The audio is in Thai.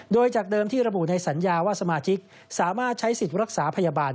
โดยจากเดิมที่ระบุในสัญญาว่าสมาชิกสามารถใช้สิทธิ์รักษาพยาบาล